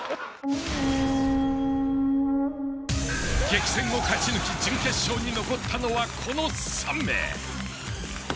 激戦を勝ち抜き準決勝に残ったのはこの３名。